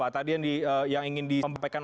tadi yang ingin di sampaikan